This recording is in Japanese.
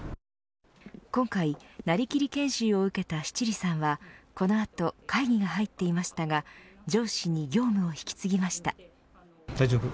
今回、なりきり研修を受けた七里さんはこの後、会議が入っていましたが上司に業務を引き継ぎました。